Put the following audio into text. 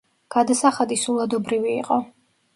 გადასახადი სულადობრივი იყო.